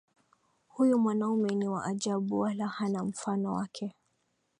Huyu mwanaume ni wa ajabu wala hana mfano wake.